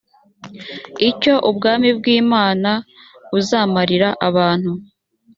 icyo ubwami bw imana buzamarira abantu